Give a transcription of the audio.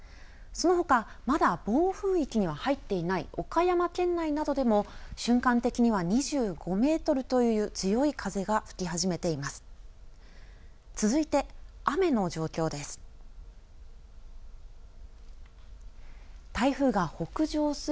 そのほか、まだ暴風域には入っていない岡山県内などでも、瞬間的には２５メートルという強い風が吹き始めています。